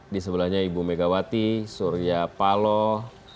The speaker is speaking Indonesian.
di sebelahnya ibu megawati surya paloh